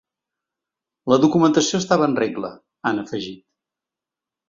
La documentació estava en regla, han afegit.